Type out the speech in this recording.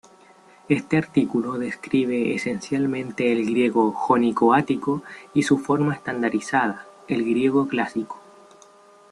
Este artículo describe esencialmente el griego jónico-ático y su forma estandarizada, el griego clásico.